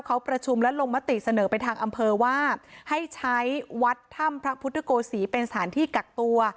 เขาประชุมและลงมติเสนอไปทางอำเภอว่าให้ใช้วัดถ้ำพระพุทธโกศีเป็นสถานที่กักตัว